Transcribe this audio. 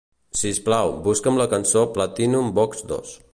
Sisplau, busca'm la cançó Platinum Box II.